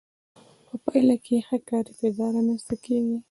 په پایله کې ښه کاري فضا رامنځته کیږي.